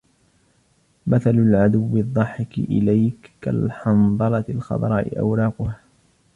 مَثَلُ الْعَدُوِّ الضَّاحِكِ إلَيْك كَالْحَنْظَلَةِ الْخَضْرَاءِ أَوْرَاقُهَا